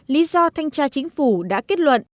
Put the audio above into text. lý do thanh tra chính phủ đã kết luận